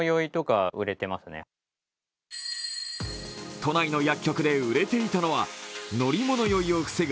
都内の薬局で売れていたのは乗り物酔いを防ぐ